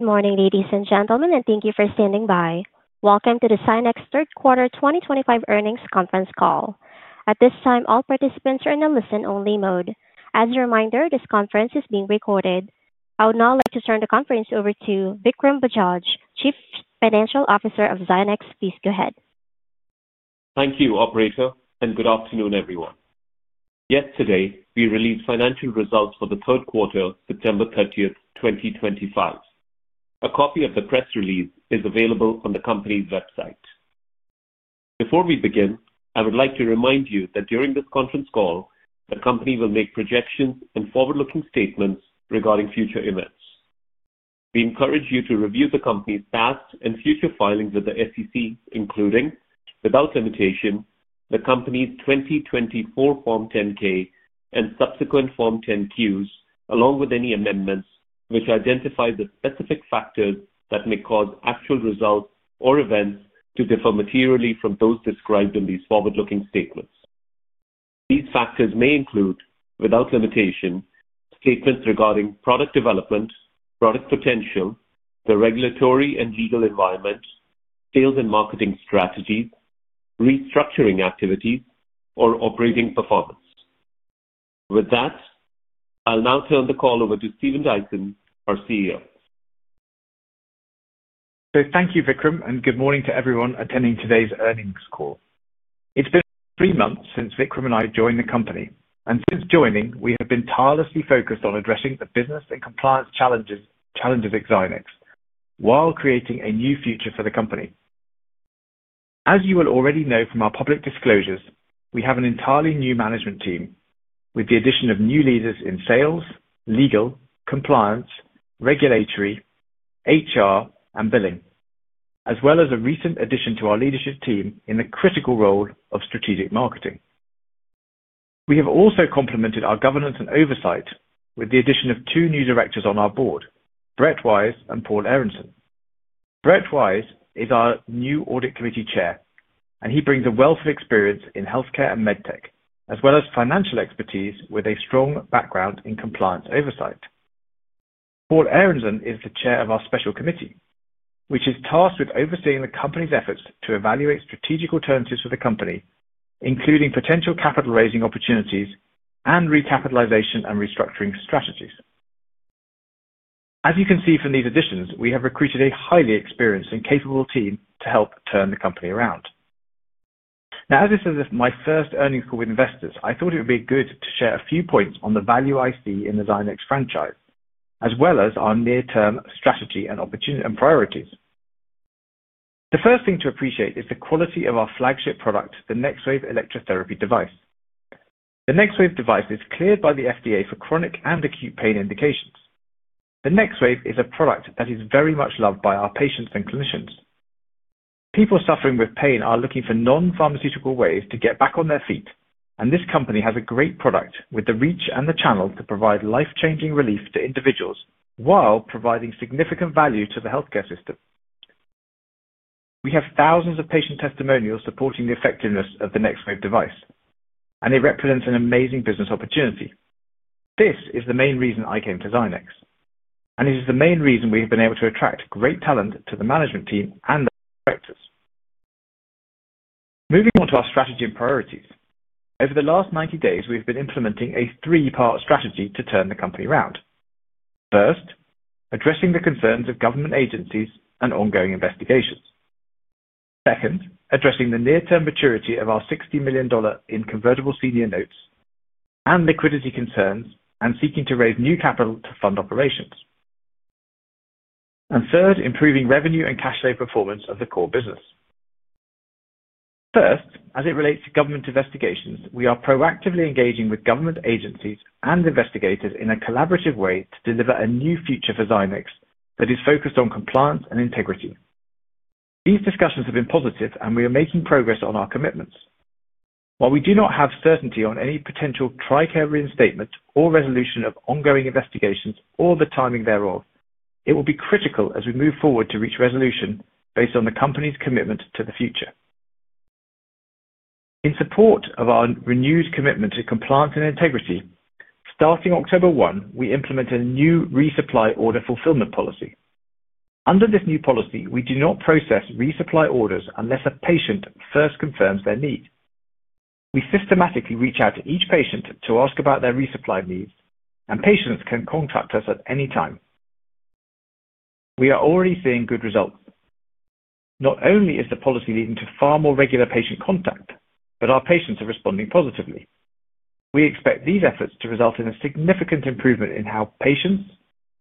Good morning, ladies and gentlemen, and thank you for standing by. Welcome to the Zynex third quarter 2025 earnings conference call. At this time, all participants are in a listen-only mode. As a reminder, this conference is being recorded. I would now like to turn the conference over to Vikram Bajaj, Chief Financial Officer of Zynex. Please go ahead. Thank you, Operator, and good afternoon, everyone. Yesterday, we released financial results for the third quarter, September 30, 2025. A copy of the press release is available on the company's website. Before we begin, I would like to remind you that during this conference call, the company will make projections and forward-looking statements regarding future events. We encourage you to review the company's past and future filings with the SEC, including, without limitation, the company's 2024 Form 10-K and subsequent Form 10-Qs, along with any amendments which identify the specific factors that may cause actual results or events to differ materially from those described in these forward-looking statements. These factors may include, without limitation, statements regarding product development, product potential, the regulatory and legal environment, sales and marketing strategies, restructuring activities, or operating performance. With that, I'll now turn the call over to Stephen Dyson, our CEO. Thank you, Vikram, and good morning to everyone attending today's earnings call. It's been three months since Vikram and I joined the company, and since joining, we have been tirelessly focused on addressing the business and compliance challenges at Zynex while creating a new future for the company. As you will already know from our public disclosures, we have an entirely new management team with the addition of new leaders in sales, legal, compliance, regulatory, HR, and billing, as well as a recent addition to our leadership team in the critical role of strategic marketing. We have also complemented our governance and oversight with the addition of two new directors on our board, Brett Wise and Paul Aronson. Brett Wise is our new audit committee chair, and he brings a wealth of experience in healthcare and medtech, as well as financial expertise with a strong background in compliance oversight. Paul Aronson is the chair of our special committee, which is tasked with overseeing the company's efforts to evaluate strategic alternatives for the company, including potential capital-raising opportunities and recapitalization and restructuring strategies. As you can see from these additions, we have recruited a highly experienced and capable team to help turn the company around. Now, as this is my first earnings call with investors, I thought it would be good to share a few points on the value I see in the Zynex franchise, as well as our near-term strategy and priorities. The first thing to appreciate is the quality of our flagship product, the NexWave electrotherapy device. The NexWave device is cleared by the FDA for chronic and acute pain indications. The NexWave is a product that is very much loved by our patients and clinicians. People suffering with pain are looking for non-pharmaceutical ways to get back on their feet, and this company has a great product with the reach and the channel to provide life-changing relief to individuals while providing significant value to the healthcare system. We have thousands of patient testimonials supporting the effectiveness of the NexWave device, and it represents an amazing business opportunity. This is the main reason I came to Zynex, and it is the main reason we have been able to attract great talent to the management team and directors. Moving on to our strategy and priorities, over the last 90 days, we have been implementing a three-part strategy to turn the company around. First, addressing the concerns of government agencies and ongoing investigations. Second, addressing the near-term maturity of our $60 million in convertible senior notes and liquidity concerns and seeking to raise new capital to fund operations. Third, improving revenue and cash flow performance of the core business. First, as it relates to government investigations, we are proactively engaging with government agencies and investigators in a collaborative way to deliver a new future for Zynex that is focused on compliance and integrity. These discussions have been positive, and we are making progress on our commitments. While we do not have certainty on any potential TRICARE reinstatement or resolution of ongoing investigations or the timing thereof, it will be critical as we move forward to reach resolution based on the company's commitment to the future. In support of our renewed commitment to compliance and integrity, starting October 1, we implement a new resupply order fulfillment policy. Under this new policy, we do not process resupply orders unless a patient first confirms their need. We systematically reach out to each patient to ask about their resupply needs, and patients can contact us at any time. We are already seeing good results. Not only is the policy leading to far more regular patient contact, but our patients are responding positively. We expect these efforts to result in a significant improvement in how patients,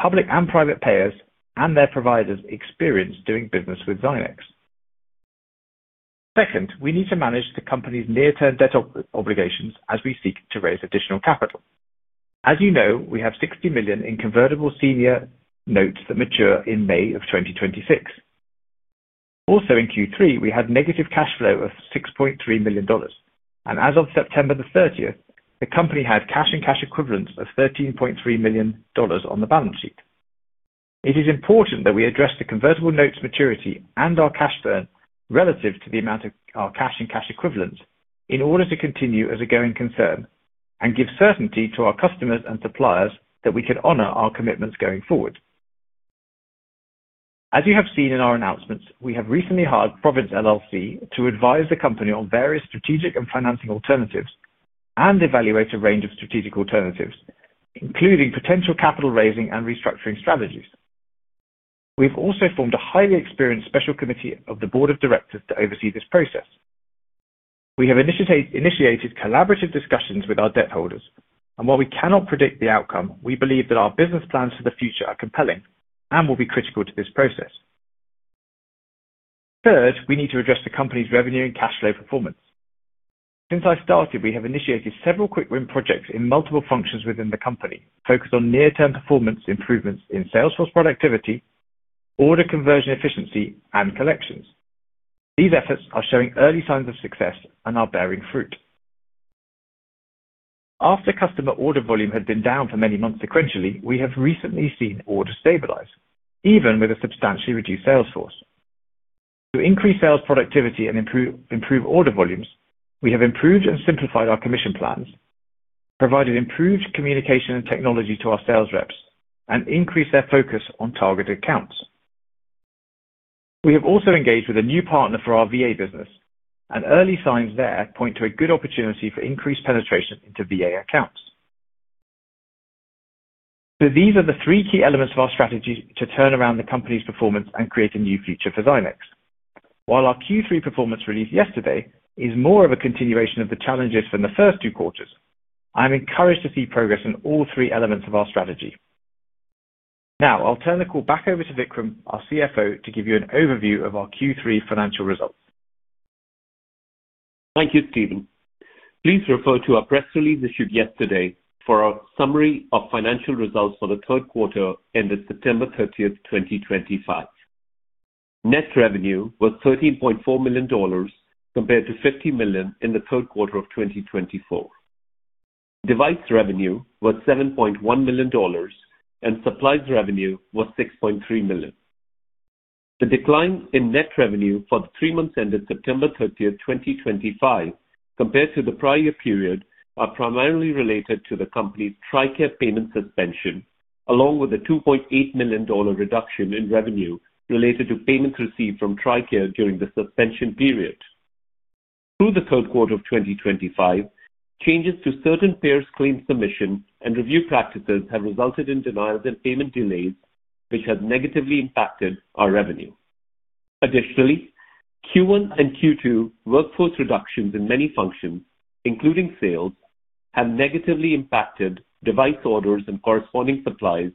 public and private payers, and their providers experience doing business with Zynex. Second, we need to manage the company's near-term debt obligations as we seek to raise additional capital. As you know, we have $60 million in convertible senior notes that mature in May of 2026. Also, in Q3, we had negative cash flow of $6.3 million, and as of September 30, the company had cash and cash equivalents of $13.3 million on the balance sheet. It is important that we address the convertible notes' maturity and our cash burn relative to the amount of our cash and cash equivalents in order to continue as a going concern and give certainty to our customers and suppliers that we can honor our commitments going forward. As you have seen in our announcements, we have recently hired Province LLC to advise the company on various strategic and financing alternatives and evaluate a range of strategic alternatives, including potential capital-raising and restructuring strategies. We've also formed a highly experienced special committee of the board of directors to oversee this process. We have initiated collaborative discussions with our debt holders, and while we cannot predict the outcome, we believe that our business plans for the future are compelling and will be critical to this process. Third, we need to address the company's revenue and cash flow performance. Since I started, we have initiated several quick win projects in multiple functions within the company focused on near-term performance improvements in sales force productivity, order conversion efficiency, and collections. These efforts are showing early signs of success and are bearing fruit. After customer order volume had been down for many months sequentially, we have recently seen orders stabilize, even with a substantially reduced sales force. To increase sales productivity and improve order volumes, we have improved and simplified our commission plans, provided improved communication and technology to our sales reps, and increased their focus on targeted accounts. We have also engaged with a new partner for our VA business, and early signs there point to a good opportunity for increased penetration into VA accounts. These are the three key elements of our strategy to turn around the company's performance and create a new future for Zynex. While our Q3 performance released yesterday is more of a continuation of the challenges from the first two quarters, I'm encouraged to see progress in all three elements of our strategy. Now, I'll turn the call back over to Vikram, our CFO, to give you an overview of our Q3 financial results. Thank you, Stephen. Please refer to our press release issued yesterday for our summary of financial results for the third quarter ended September 30, 2025. Net revenue was $13.4 million compared to $50 million in the third quarter of 2024. Device revenue was $7.1 million, and supplies revenue was $6.3 million. The decline in net revenue for the three months ended September 30, 2025, compared to the prior year period, is primarily related to the company's TRICARE payment suspension, along with a $2.8 million reduction in revenue related to payments received from TRICARE during the suspension period. Through the third quarter of 2025, changes to certain payers' claim submission and review practices have resulted in denials and payment delays, which have negatively impacted our revenue. Additionally, Q1 and Q2 workforce reductions in many functions, including sales, have negatively impacted device orders and corresponding supplies,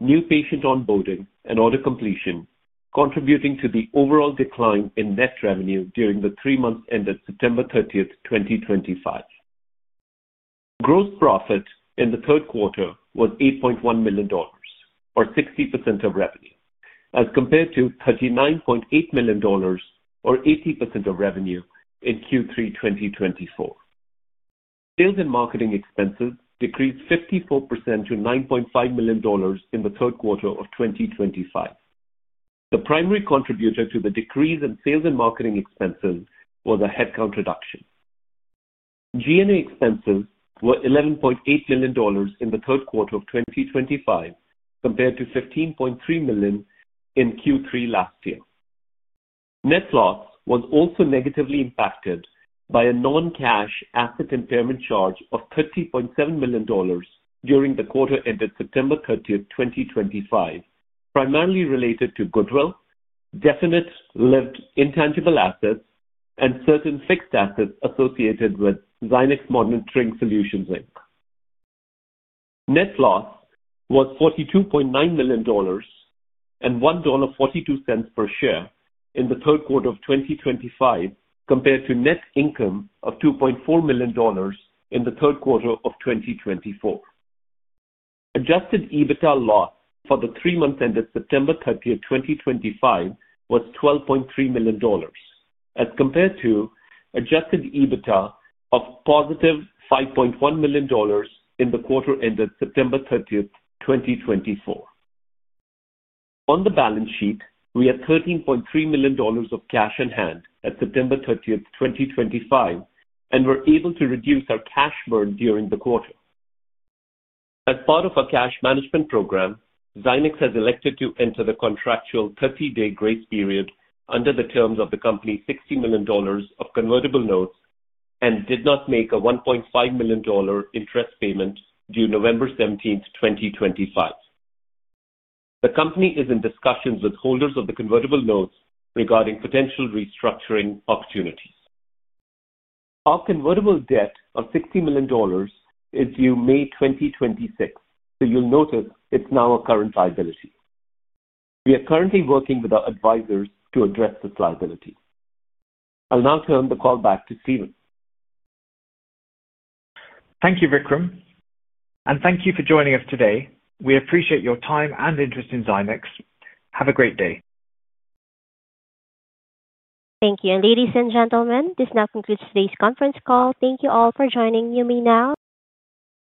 new patient onboarding, and order completion, contributing to the overall decline in net revenue during the three months ended September 30, 2025. Gross profit in the third quarter was $8.1 million, or 60% of revenue, as compared to $39.8 million, or 80% of revenue, in Q3 2024. Sales and marketing expenses decreased 54% to $9.5 million in the third quarter of 2025. The primary contributor to the decrease in sales and marketing expenses was a headcount reduction. G&A expenses were $11.8 million in the third quarter of 2025, compared to $15.3 million in Q3 last year. Net loss was also negatively impacted by a non-cash asset impairment charge of $30.7 million during the quarter ended September 30, 2025, primarily related to goodwill, definite lived intangible assets, and certain fixed assets associated with Zynex Monitoring Solutions. Net loss was $42.9 million and $1.42 per share in the third quarter of 2025, compared to net income of $2.4 million in the third quarter of 2024. Adjusted EBITDA loss for the three months ended September 30, 2025, was $12.3 million, as compared to Adjusted EBITDA of +$5.1 million in the quarter ended September 30, 2024. On the balance sheet, we had $13.3 million of cash in hand at September 30, 2025, and were able to reduce our cash burn during the quarter. As part of our cash management program, Zynex has elected to enter the contractual 30-day grace period under the terms of the company's $60 million of convertible notes and did not make a $1.5 million interest payment due November 17, 2025. The company is in discussions with holders of the convertible notes regarding potential restructuring opportunities. Our convertible debt of $60 million is due May 2026, so you'll notice it's now a current liability. We are currently working with our advisors to address this liability. I'll now turn the call back to Stephen. Thank you, Vikram, and thank you for joining us today. We appreciate your time and interest in Zynex. Have a great day. Thank you. Ladies and gentlemen, this now concludes today's conference call. Thank you all for joining me now.